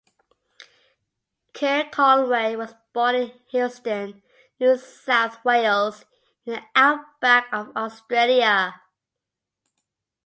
Ker Conway was born in Hillston, New South Wales, in the outback of Australia.